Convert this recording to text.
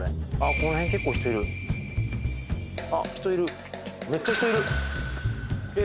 この辺結構人いるあっ人いるめっちゃ人いるえっ